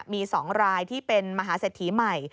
มี๒รายที่เป็นมหาเศรษฐีใหม่